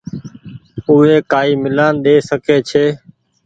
اوي ڪآئي ميلآن ۮي سڪي ڇي